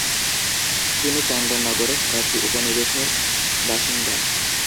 তিনি চন্দননগরে ফরাসী উপনিবেশের বাসিন্দা।